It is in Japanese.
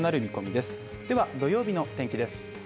では、土曜日の天気です。